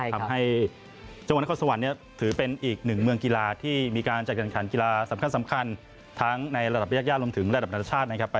ทำให้จังหวัดนครสวรรค์เนี่ยถือเป็นอีกหนึ่งเมืองกีฬาที่มีการจัดการขันกีฬาสำคัญทั้งในระดับยากรวมถึงระดับนานาชาตินะครับ